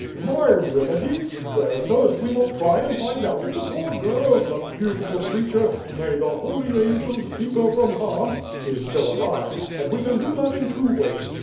"My remedy! Well, first we must try and find out if the poor girl, the beautiful creature — may the holy Angels keep her from hann — is still alive; and we can do that in two ways.